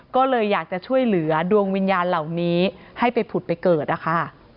ก็เลยอยากจะช่วยเหลือดวงวิญญาณเหล่านี้ให้ไปผุดไปเกิดนะคะ